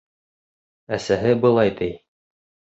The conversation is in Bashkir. Әсәһе былай ти: